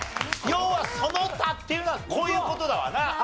要はその他っていうのはこういう事だわな。